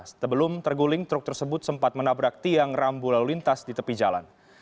sebelum terguling truk tersebut sempat menabrak tiang rambu lalu lintas di tepi jalan